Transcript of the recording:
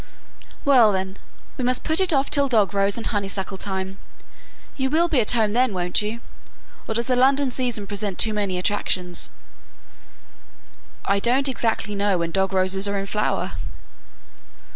"Well, then, we must put it off till dog rose and honey suckle time. You will be at home then, won't you? or does the London season present too many attractions?" "I don't exactly know when dog roses are in flower!"